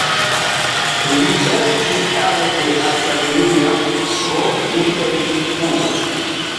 Li estis ano de Academia pro Interlingua.